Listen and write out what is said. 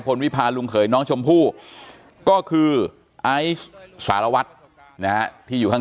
วิพาลุงเขยน้องชมพู่ก็คือไอซ์สารวัตรนะฮะที่อยู่ข้าง